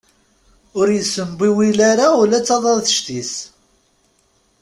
Ur yessembiwil ara ula d taḍadect-is.